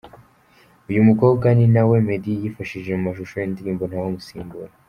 Uyu mukobwa ninawe Meddy yifashishije mu mashusho y’indirimbo Ntawamusimbura.